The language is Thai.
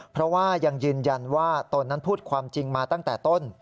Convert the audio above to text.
เพราะว่ายังยืนยันว่าตนนั้นพูดความจริงมาตั้งแต่ต้น